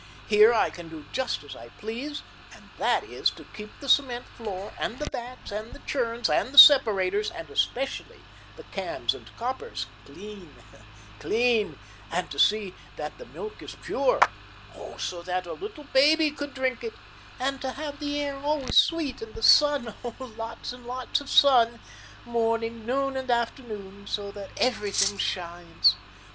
Here I can do just as I please, and that is, to keep the cement floor, and the vats, and the churns and the separators, and especially the cans and coppers, clean; clean, and to see that the milk is pure, oh, so that a little baby could drink it; and to have the air always sweet, and the sun oh, lots and lots of sun, morning, noon and afternoon, so that everything shines.